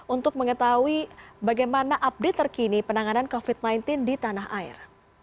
untuk mengetahui bagaimana update terkini penanganan covid sembilan belas di tanah air